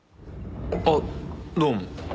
あっどうも。